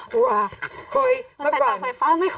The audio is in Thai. กลัวเฮ้ยเมื่อก่อนเตาไฟฟ้าไม่ค่อย